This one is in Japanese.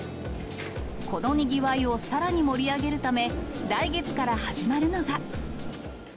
このにぎわいをさらに盛り上げるため、来月から始まるのが。